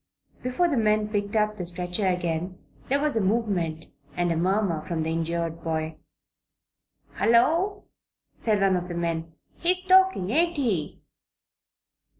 Before the men picked up the stretcher again there was a movement and a murmur from the injured boy. "Hullo!" said one of the men. "He's a talkin', ain't he?"